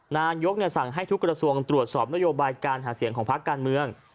นายกสั่งให้ทุกกระทรวงตรวจสอบนโยบายการหาเสียงของพักการเมือง